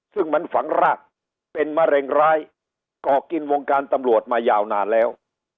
ซึ่งมันฝังรากเป็นมะเร็งร้ายก่อกินวงการตำรวจมายาวนานแล้ว